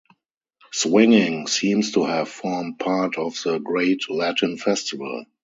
Swinging seems to have formed part of the great Latin festival.